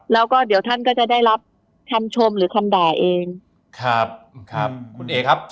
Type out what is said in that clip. แล้วก็เดี๋ยวท่านก็จะได้รับคำชมหรือคำด่าเองครับครับคุณเอครับ